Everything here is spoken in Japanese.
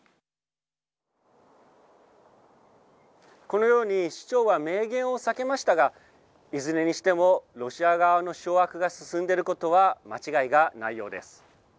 このように市長は明言を避けましたがいずれにしてもロシア側の掌握が進んでいることは間違いがないようです。